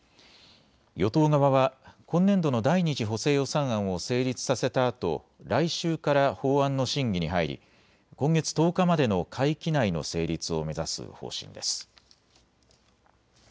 与党側は今年度の第２次補正予算案を成立させたあと来週から法案の審議に入り今月１０日までの会期内の成立を目指す方針です。